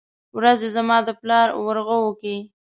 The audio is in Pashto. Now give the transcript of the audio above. ورځې زما د پلار ورغوو کې ،